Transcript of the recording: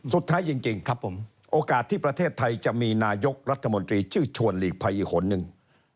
สุดท้ายจริงโอกาสที่ประเทศไทยจะมีนายกรัฐมนตรีชื่อชวนลีกภัยอีกหนึ่ง